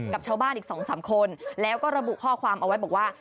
กับชาวบ้านอีก๒๓คนแล้วก็ระบุข้อความเอาไว้บอกว่า